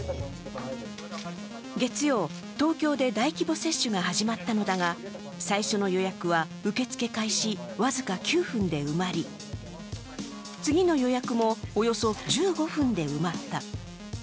月曜、東京で大規模接種が始まったのだが最初の予約は受け付け開始僅か９分で埋まり、次の予約もおよそ１５分で埋まった。